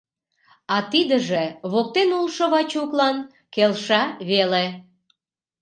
А тидыже воктен улшо Вачуклан келша веле.